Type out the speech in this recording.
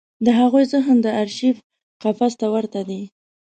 د هغوی ذهن د ارشیف قفس ته ورته دی.